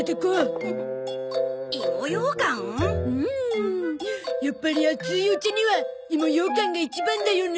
うんやっぱり熱いお茶にはいもようかんが一番だよね。